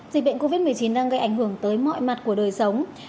dịch bệnh covid một mươi chín đang gây ảnh hưởng tới mọi mặt của đời sống